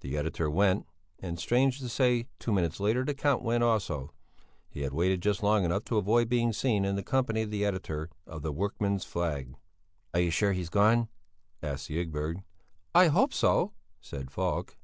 The editor went and, strange to say, two minutes later the Count went also; he had waited just long enough to avoid being seen in the company of the editor of the Workman's Flag. "Are you sure that he's gone?" asked Ygberg. "I hope so," said Falk.